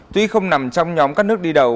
tuy không nằm trong nhóm các nước đi đầu